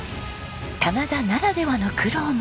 棚田ならではの苦労も。